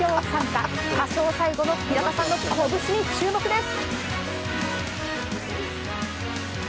歌唱最後の平田さんのこぶしに注目です。